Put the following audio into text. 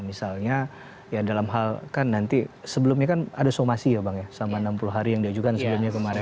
misalnya sebelumnya kan ada somasi ya bang ya sama enam puluh hari yang diajukan sebelumnya kemarin